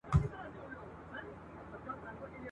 دا تاريخ دمېړنيو ..